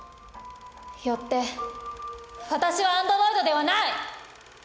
「よって私はアンドロイドではない」！